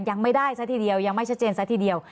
ยังไม่ได้ซะทีเดียวยังไม่ชัดเจนซะทีเดียว